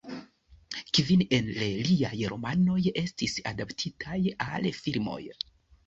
Kvin el liaj romanoj estis adaptitaj al filmoj.